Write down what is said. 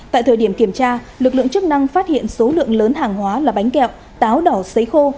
tại thời điểm kiểm tra lực lượng chức năng phát hiện số lượng lớn hàng hóa là bánh kẹo táo đỏ xấy khô